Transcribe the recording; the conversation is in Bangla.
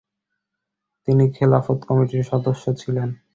তিনি খেলাফত কমিটির সদস্য ছিলেন।